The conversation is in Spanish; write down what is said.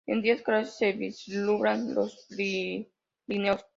En días claros, se vislumbran los Pirineos.